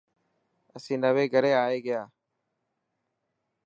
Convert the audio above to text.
اسين نئوي گھري آئي گيا.